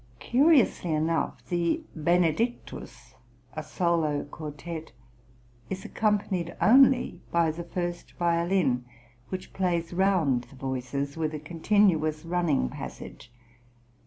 Curiously enough the Benedictus, a solo quartet, is accompanied only by the first violin, which plays round the voices with a continuous running passage.